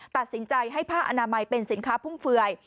ตัดสินใจให้ผ้าอนามัยเป็นสินค้าพุ่มเฟือย